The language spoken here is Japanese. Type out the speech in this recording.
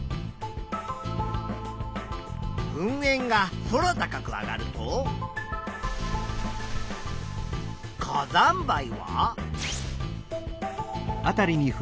ふんえんが空高くあがると火山灰は？